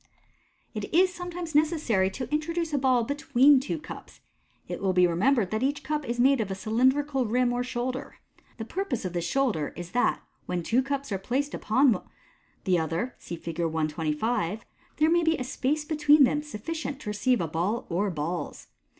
It is sometimes necessary to introduce a ball between two cups. It will be remembered that each cup is made with a cylindrical rim or shoulder. The purpose of this sh.mider is that, when two cups au placed one upon the other (see Fig. 125), there may be a space between them suffl ient to receive a ball or balls.